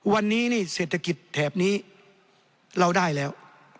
วันนี้นี่เศรษฐกิจแถบนี้เราได้แล้ว